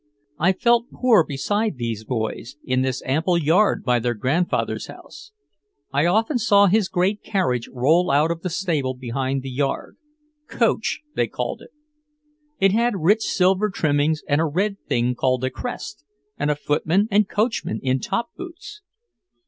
I felt poor beside these boys, in this ample yard by their grandfather's house. I often saw his great carriage roll out of the stable behind the yard. "Coach," they called it. It had rich silver trimmings and a red thing called a "crest," and a footman and coachman in top boots.